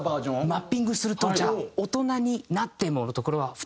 マッピングするとじゃあ「大人になっても」のところは普通のリズムだったら。